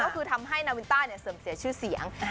ก็คือทำให้นาวินต้าเสื่อมเสียชื่อเสียง